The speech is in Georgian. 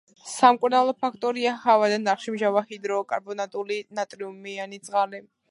სამკურნალო ფაქტორია ჰავა და ნახშირმჟავა ჰიდროკარბონატული ნატრიუმიანი წყალი.